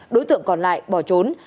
đối tượng còn lại bỏ trốn